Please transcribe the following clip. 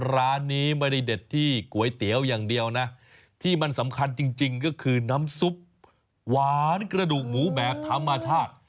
ร้านนี้ไม่ได้เด็ดที่ก๋วยเตี๋ยวอย่างเดียวนะที่มันสำคัญจริงก็คือน้ำซุปหวานกระดูกหมูแบบธรรมชาติ